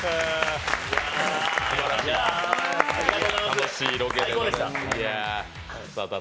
楽しいロケでございます。